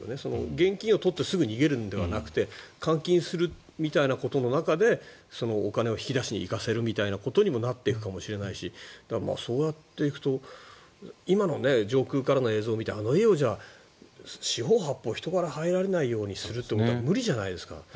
現金を取ってすぐに逃げるのではなくて監禁するみたいなことの中でお金を引き出しに行かせるみたいなことになっていくかもしれないしそうやっていくと今の上空からの映像を見てあの家を四方八方、人から入られないようにするって無理じゃないですか。